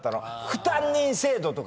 「副担任製度」とか。